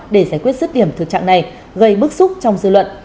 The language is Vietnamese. để giải quyết sức điểm thực trạng này gây bức xúc trong dư luận